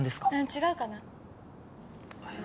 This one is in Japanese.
違うかな。